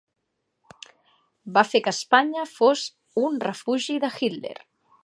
Va fer que Espanya fos "un refugi de Hitler".